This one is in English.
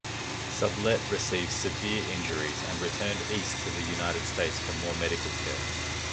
Sublette receives severe injuries and returned east to the United States for medical care.